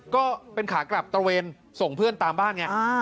ก็เป็นขากลับตระเวนส่งเพื่อนตามบ้านไง